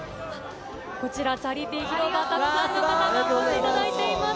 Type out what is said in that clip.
こちら、チャリティー広場、たくさんの方にお越しいただいています。